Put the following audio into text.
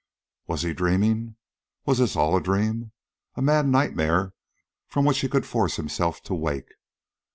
Was he dreaming? Was this all a dream a mad nightmare from which he could force himself to wake?